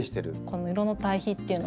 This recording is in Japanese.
この色の対比っていうのが。